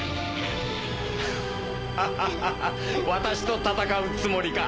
ハハハ私と戦うつもりか。